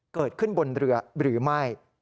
เกิดขึ้นบนเรือหรือไม่